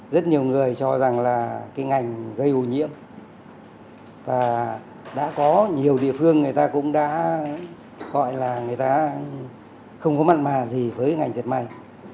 rất nhiều người cho rằng là cái ngành gây ô nhiễm và đã có nhiều địa phương người ta cũng đã gọi là người ta không có mặt mà gì với ngành diệt may